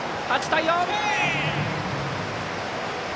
８対４！